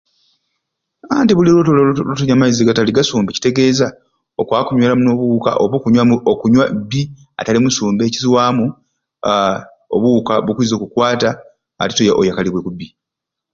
Anti buli lwotoli lwotonywa maizi gasumbe kitegeeza okwakunyweramu nobuwuuka oba okunywamu okunywa bbi atali musumbe ekizwamu aahh obuwuuka bukwiza okukwata ati tte oyaka oyakalibwe kubbi.